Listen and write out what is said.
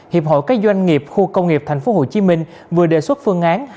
hiệp hội các doanh nghiệp khu công nghiệp tp hcm vừa đề xuất phương án